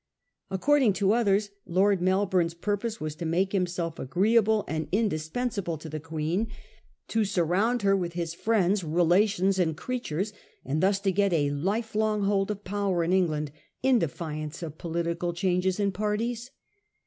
According to others, Lord Melbourne's pur pose was to make himself agreeable and indispensable to the Queen ; to surround her with his friends, rela tions and creatures, and thus to get a lifelong hold of power in England, in defiance of political changes and parties.